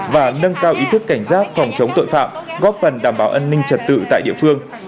và nâng cao ý thức cảnh giác phòng chống tội phạm góp phần đảm bảo an ninh trật tự tại địa phương